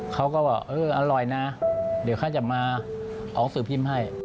เขาก็บอกเอออร่อยนะเดี๋ยวเขาจะมาออกสื่อพิมพ์ให้